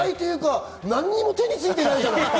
何も手についてないじゃない。